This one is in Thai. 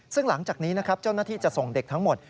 ซึ่งหลังจากนี้นะครับเจ้าหน้าที่จะส่งเด็กทั้งหมด